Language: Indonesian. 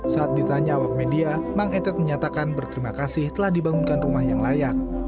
saat ditanya awak media mang etet menyatakan berterima kasih telah dibangunkan rumah yang layak